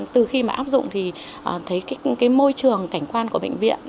từ khi mà áp dụng thì thấy cái môi trường cảnh quan của bệnh viện